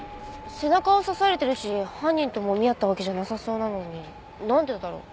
背中を刺されてるし犯人ともみ合ったわけじゃなさそうなのになんでだろう？